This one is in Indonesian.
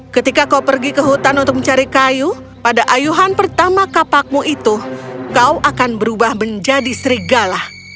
ketika kau pergi ke hutan untuk mencari kayu pada ayuhan pertama kapakmu itu kau akan berubah menjadi serigala